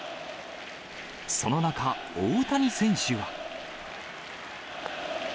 その中、大谷選手は。